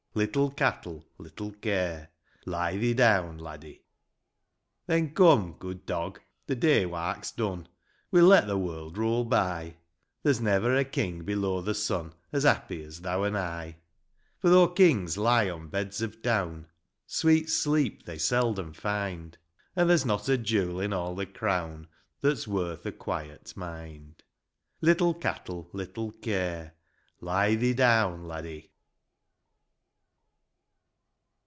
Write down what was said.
Little cattle, little care ; Lie thee down, Laddie ! IV. Then come, good dog, the day wark's done ; We'll let the world roll by ; There's never a king below the sun As happy as thou an' I ; LITTLE CATTLE, LITTLE CARE. For though kings lie on beds of down. Sweet sleep they seldom find; An' there's not a jewel in all the crown That's worth a quiet mind. Little cattle, little care ; Lie thee down, Laddie